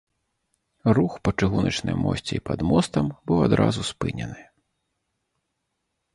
Рух па чыгуначным мосце і пад мостам быў адразу спынены.